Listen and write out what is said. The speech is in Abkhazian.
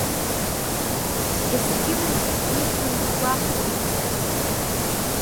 Есқьынагьы ицын сгәахәуеит.